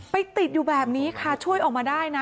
ติดอยู่แบบนี้ค่ะช่วยออกมาได้นะ